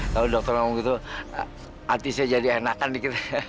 kalau dokter ngomong gitu hati saya jadi enakan dikit